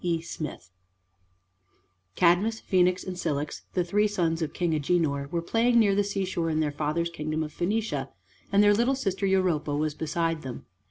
E. SMITH Cadmus, Phoenix, and Cilix, the three sons of King Agenor, were playing near the seashore in their father's kingdom of Phoenicia, and their little sister Europa was beside them.